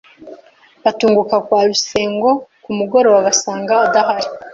Batunguka kwa Rusengo ku mugoroba basanga adahari